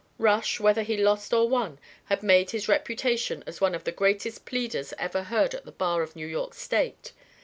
Rush, whether he lost or won, had made his reputation as one of the greatest pleaders ever heard at the bar of New York State.